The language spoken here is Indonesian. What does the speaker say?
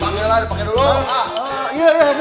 panggilan dipanggil dulu